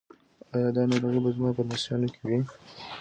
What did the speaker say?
ایا دا ناروغي به زما په لمسیانو کې وي؟